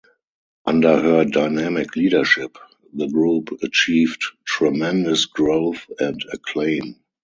Under her dynamic leadership, the group achieved tremendous growth and acclaim.